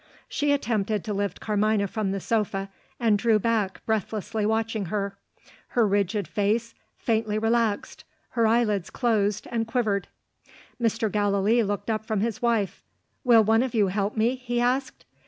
She attempted to lift Carmina from the sofa and drew back, breathlessly watching her. Her rigid face faintly relaxed; her eyelids closed, and quivered. Mr. Gallilee looked up from his wife. "Will one of you help me?" he asked.